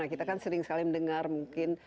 kita kan sering sekali mendengar mungkin